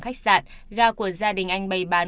khách sạn gà của gia đình anh bày bán